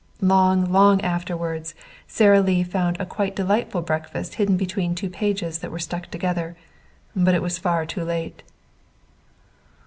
Long, long afterward Sara Lee found a quite delightful breakfast hidden between two pages that were stuck together. But it was then far too late.